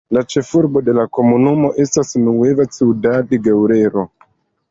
La ĉefurbo de la komunumo estas Nueva Ciudad Guerrero.